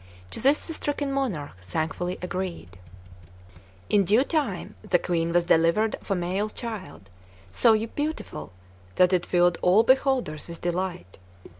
To this the stricken monarch thankfully agreed. In due time the Queen was delivered of a male child, so beautiful that it filled all beholders with delight.